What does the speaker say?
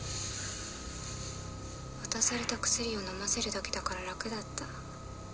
渡された薬を飲ませるだけだから楽だった。